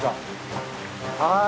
はい。